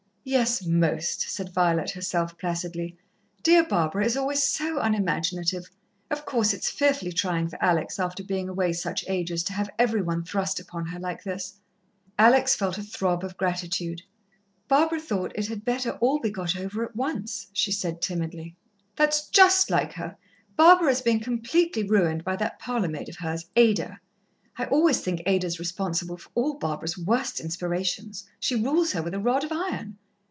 "Yes, most," said Violet herself placidly. "Dear Barbara is always so unimaginative. Of course, it's fearfully trying for Alex, after being away such ages, to have every one thrust upon her like this." Alex felt a throb of gratitude. "Barbara thought it had better all be got over at once," she said timidly. "That's just like her! Barbara is being completely ruined by that parlour maid of hers Ada. I always think Ada is responsible for all Barbara's worst inspirations. She rules her with a rod of iron.